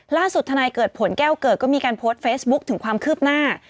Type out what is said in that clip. ทนายเกิดผลแก้วเกิดก็มีการโพสต์เฟซบุ๊คถึงความคืบหน้า